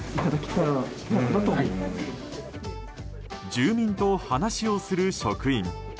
住民と話をする職員。